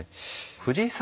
藤井さん